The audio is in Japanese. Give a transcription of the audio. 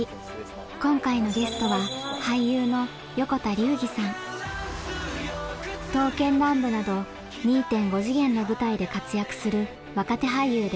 今回のゲストは「刀剣乱舞」など２．５次元の舞台で活躍する若手俳優です。